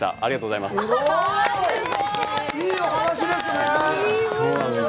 いいお話ですね。